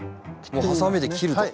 もうハサミで切ると。